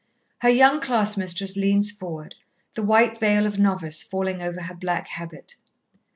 Her young class mistress leans forward, the white veil of novice falling over her black habit.